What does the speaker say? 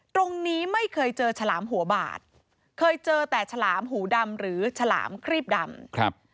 ตรงนี้ไม่เคยเจอฉลามหัวบาดเคยเจอแต่ฉลามหูดำหรือฉลามครีบดำครับ